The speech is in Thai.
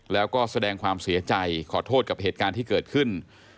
แล้วก็แสดงความเสียใจขอโทษกับเหตุการณ์ที่เกิดขึ้น